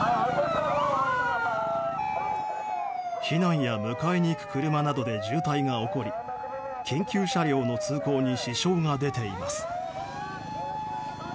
避難や迎えに行く車などで渋滞が起こり緊急車両の通行に支障が出ています。